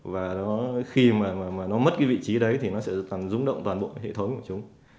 và khi mà nó mất cái vị trí đấy thì nó sẽ tầm rúng động toàn bộ hệ thống của chúng